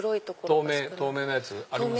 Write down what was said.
透明のやつありますよ。